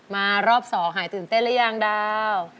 มารอบ๒หายตื่นเต้นหรือยังดาว